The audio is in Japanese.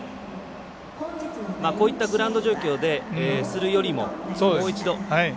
こういったグラウンド状況でするよりも、もう一度。